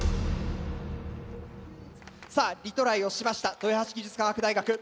さぁリトライをしました豊橋技術科学大学。